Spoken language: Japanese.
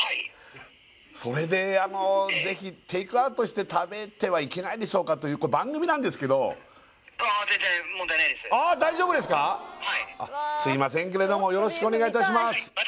それであの是非テイクアウトして食べてはいけないでしょうかというこれ番組なんですけど☎はいすいませんけれどもよろしくお願いいたします